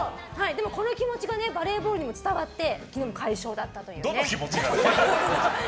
でも、この気持ちがバレーボールにも伝わって快勝だったというね。